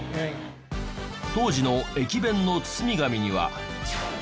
当時の駅弁の包み紙には。